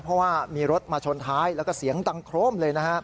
เพราะว่ามีรถมาชนท้ายแล้วก็เสียงดังโครมเลยนะฮะ